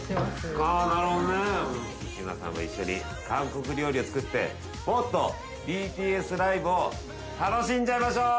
内村さんも一緒に韓国料理を作ってもっとＢＴＳライブを楽しんじゃいましょう。